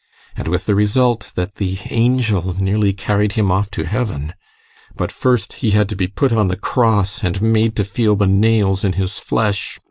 And with the result that the angel nearly carried him off to heaven. But first he had to be put on the cross and made to feel the nails in his flesh.